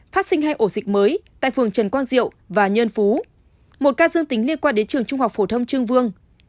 phát sinh hai ổ dịch mới tại phường trần quang diệu và nhân phú một ca dương tính liên quan đến trường trung học phổ thông trương vương